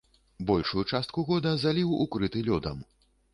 Большую частку года заліў укрыты лёдам.